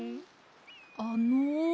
あの。